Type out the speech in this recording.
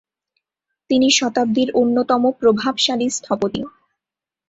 তিনি শতাব্দীর অন্যতম প্রভাবশালী স্থপতি।